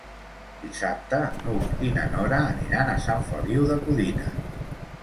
Dissabte n'Hug i na Nora aniran a Sant Feliu de Codines.